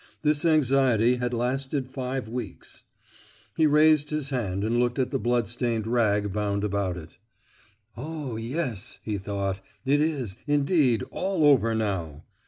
This anxiety had lasted five weeks. He raised his hand and looked at the blood stained rag bound about it. "Oh, yes!" he thought, "it is, indeed, all over now."